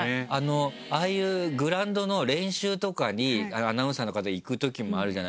ああいうグラウンドの練習とかにアナウンサーの方行くときもあるじゃないですか。